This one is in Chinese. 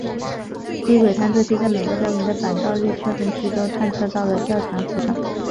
低轨探测器在每个标明的反照率特征区都探测到了较强磁场。